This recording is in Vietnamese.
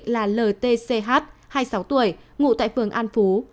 cô gái đã được xác định là ltch hai mươi sáu tuổi ngủ tại phường an phú